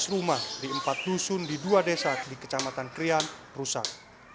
lima ratus rumah di empat dusun di dua desa di kecamatan krian rusak